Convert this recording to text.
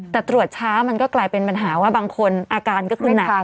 แต่ตรวจช้ามันก็กลายเป็นปัญหาว่าบางคนอาการก็คือหนัก